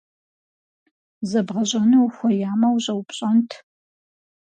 Зэбгъэщӏэну ухуеямэ, ущӏэупщӏэнт.